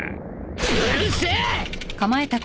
うるせえ！